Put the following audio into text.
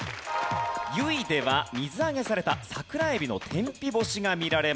由比では水揚げされた桜エビの天日干しが見られます。